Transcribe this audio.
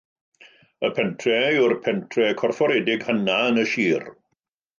Y pentref yw'r pentref corfforedig hynaf yn y Sir.